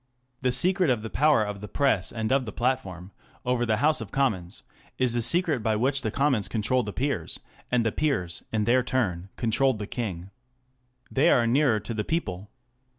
The secret of the power of the Press and of the Platform over the House of Commons is the secret by which the Commons controlled the Peers, and the Peers in their turn controlled the King. They are nearer the people.